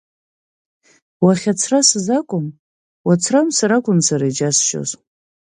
Уахьацрасыз акәым, уацрамсыр акәын сара иџьасшьоз.